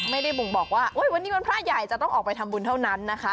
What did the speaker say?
ไม่ได้บ่งบอกว่าวันนี้วันพระใหญ่จะต้องออกไปทำบุญเท่านั้นนะคะ